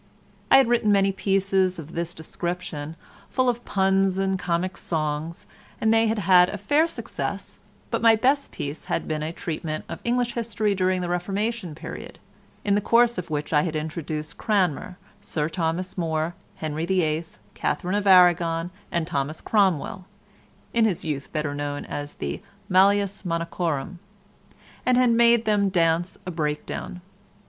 I had written many pieces of this description, full of puns and comic songs, and they had had a fair success, but my best piece had been a treatment of English history during the Reformation period, in the course of which I had introduced Cranmer, Sir Thomas More, Henry the Eighth, Catherine of Arragon, and Thomas Cromwell (in his youth better known as the Malleus Monachorum), and had made them dance a break down.